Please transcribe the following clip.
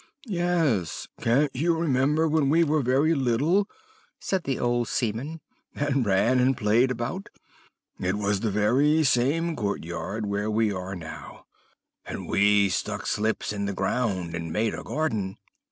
"'Yes, can't you remember when we were very little,' said the old seaman, 'and ran and played about? It was the very same court yard where we now are, and we stuck slips in the ground, and made a garden.'